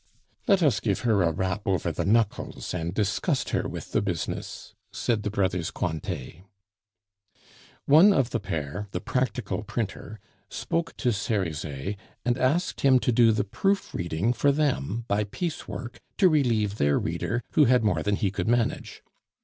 "Let us give her a rap over the knuckles, and disgust her with the business," said the brothers Cointet. One of the pair, the practical printer, spoke to Cerizet, and asked him to do the proof reading for them by piecework, to relieve their reader, who had more than he could manage.